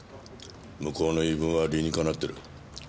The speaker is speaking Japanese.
向こうの言い分は理にかなっている。